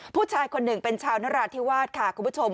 ผู้ชายคนหนึ่งเป็นชาวนราธิวาสค่ะคุณผู้ชม